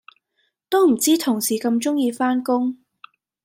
都唔知同事咁鍾意返工